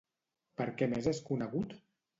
Per què més és conegut?